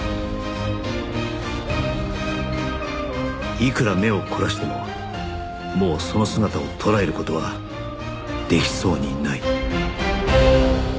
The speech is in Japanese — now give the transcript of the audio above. いくら目を凝らしてももうその姿を捉える事はできそうにない